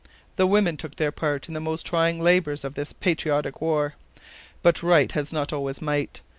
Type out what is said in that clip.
The women took their part in the most trying labors of this patriotic war. But right has not always might.